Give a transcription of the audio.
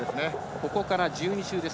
ここから１２周です。